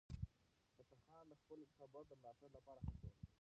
فتح خان د خپل ټبر د ملاتړ لپاره هڅه وکړه.